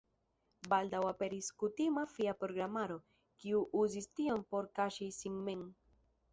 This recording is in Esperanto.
Baldaŭ aperis kutima fia programaro, kiu uzis tion por kaŝi sin mem.